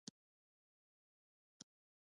ګلان د طبیعت تحفه ده.